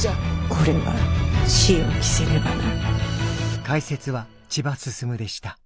これは仕置きせねばな。